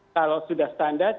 kalau sudah standar